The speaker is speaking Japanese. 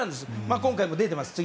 今回も出ています。